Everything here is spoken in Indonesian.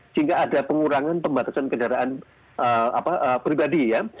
sehingga ada pengurangan pembatasan kendaraan pribadi ya